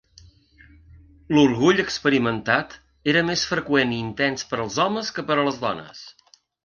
L'orgull experimentat era més freqüent i intens per als homes que per a les dones.